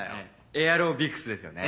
エアロビクスですよね。